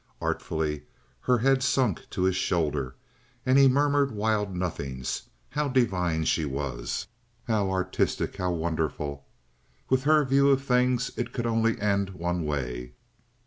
Artfully her head sunk to his shoulder, and he murmured wild nothings—how divine she was, how artistic, how wonderful! With her view of things, it could only end one way.